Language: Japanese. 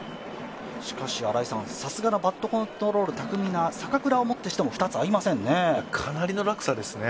しかし新井さん、さすがのバットコントロール巧みな坂倉をもってきても２つ、合いませんね。